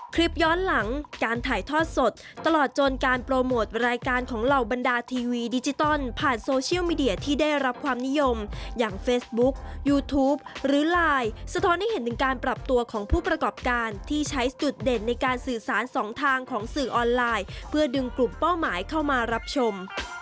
คลิปย้อนหลังการถ่ายทอดสดตลอดจนการโปรโมทรายการของเหล่าบรรดาทีวีดิจิตอลผ่านโซเชียลมีเดียที่ได้รับความนิยมอย่างเฟซบุ๊คยูทูปหรือไลน์สะท้อนให้เห็นถึงการปรับตัวของผู้ประกอบการที่ใช้จุดเด่นในการสื่อสารสองทางของสื่อออนไลน์เพื่อดึงกลุ่มเป้าหมายเข้ามารับชม